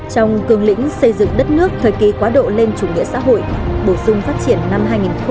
trong cường lĩnh xây dựng đất nước thời kỳ quá độ lên chủ nghĩa xã hội bổ sung phát triển năm hai nghìn một mươi một